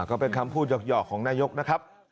ก็เป็นคำพูดหยอกของนายกนะครับ